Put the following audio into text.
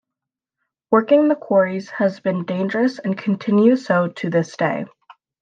Working the quarries has been dangerous and continues so to this day.